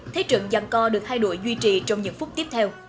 thế trận giàn co được hai đội duy trì trong những phút tiếp theo